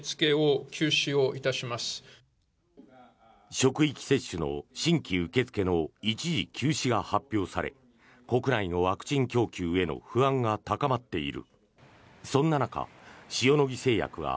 職域接種の新規受け付けの一時休止が発表され国内のワクチン供給への不安が高まっている。